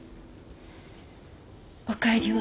お帰りは。